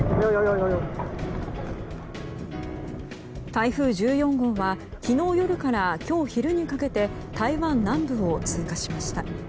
台風１４号は昨日夜から今日昼にかけて台湾南部を通過しました。